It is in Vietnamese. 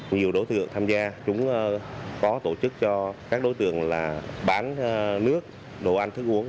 nhiều đối tượng tham gia chúng có tổ chức cho các đối tượng là bán nước đồ ăn thức uống